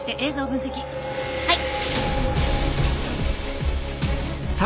はい。